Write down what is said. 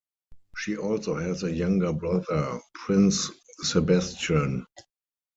She also has a younger brother, Prince Sebastian.